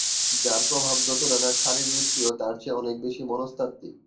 যার প্রভাব যতটা না শারীরবৃত্তীয় তার চেয়ে অনেক বেশি মনস্তাত্ত্বিক।